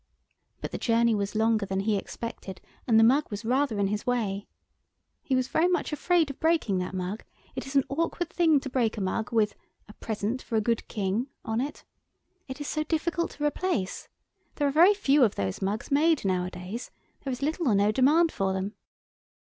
But the journey was longer than he expected, and the mug was rather in his way. He was very much afraid of breaking that mug: it is an awkward thing to break a mug with "A present for a good King" on it. It is so difficult to replace. There are very few of those mugs made nowadays. There is little or no demand for them.